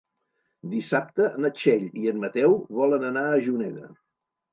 Dissabte na Txell i en Mateu volen anar a Juneda.